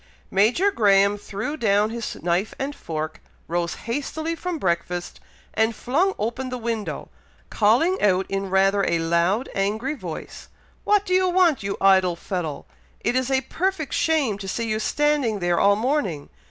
Major Graham threw down his knife and fork rose hastily from breakfast and flung open the window, calling out in rather a loud, angry voice, "What do you want, you idle fellow? It is a perfect shame to see you standing there all morning!